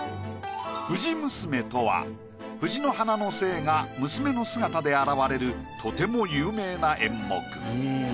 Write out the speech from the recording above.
「藤娘」とは藤の花の精が娘の姿で現れるとても有名な演目。